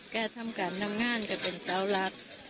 แกทำการนำงานก็เป็นเจ้ารัก